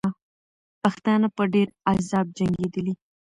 پښتانه په ډېر عذاب جنګېدلې.